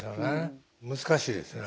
難しいですよね